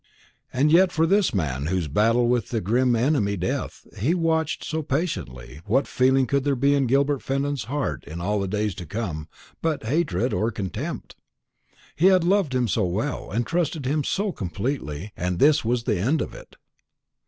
And yet for this man, whose battle with the grim enemy, Death, he watched so patiently, what feeling could there be in Gilbert Fenton's heart in all the days to come but hatred or contempt? He had loved him so well, and trusted him so completely, and this was the end of it.